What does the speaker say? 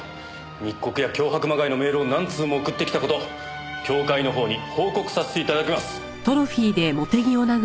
密告や脅迫まがいのメールを何通も送ってきた事を協会の方に報告させて頂きます。